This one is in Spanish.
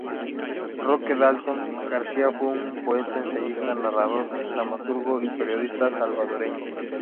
Roque Dalton García fue un poeta, ensayista, narrador, dramaturgo y periodista salvadoreño.